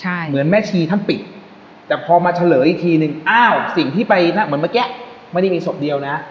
เหมือนแม่ชีท่านปิดแต่พอมาเฉลยอีกทีนึงอ้าวสิ่งที่ไปเหมือนเมื่อกี้ไม่ได้มีศพเดียวนะ